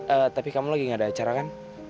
eh tapi kamu lagi gak ada acara kan